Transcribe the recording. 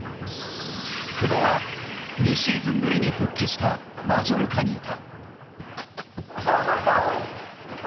久保は２シーズンぶりに復帰したマジョルカにいた。